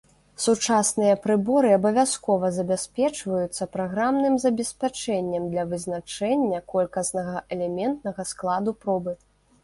Сучасныя прыборы абавязкова забяспечваюцца праграмным забеспячэннем для вызначэння колькаснага элементнага складу пробы.